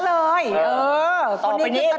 อ้าวไม่มี